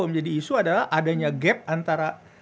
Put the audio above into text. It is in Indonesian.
menjadi isu adalah adanya gap antara